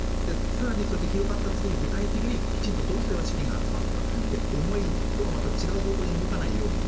さらに、そうやって広がった次に具体的にきちんと、どうすれば資金が集まるのかって思いとはまた違う方向に動かないように。